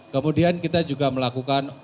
kemudian kita juga melakukan